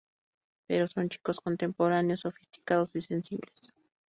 Pero son chicos contemporáneos, sofisticados y sensibles.